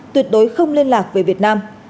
tuyệt đối không liên lạc với việt nam